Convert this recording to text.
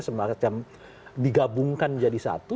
semacam digabungkan jadi satu